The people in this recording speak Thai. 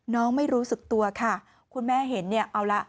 ไม่รู้สึกตัวค่ะคุณแม่เห็นเนี่ยเอาละ